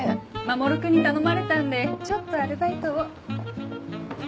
守君に頼まれたんでちょっとアルバイトを。